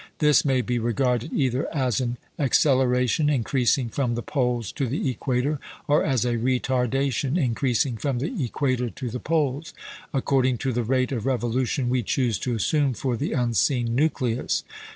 This may be regarded either as an acceleration increasing from the poles to the equator, or as a retardation increasing from the equator to the poles, according to the rate of revolution we choose to assume for the unseen nucleus.